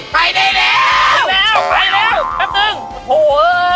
ไปได้แล้ว